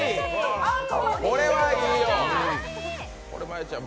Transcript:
これはいいよ。